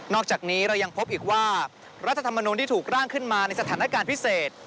อกจากนี้เรายังพบอีกว่ารัฐธรรมนุนที่ถูกร่างขึ้นมาในสถานการณ์พิเศษ